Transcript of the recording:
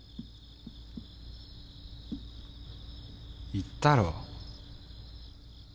言ったろ。